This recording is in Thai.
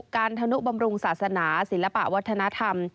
ธนุบำรุงศาสนาศิลปะวัฒนธรรม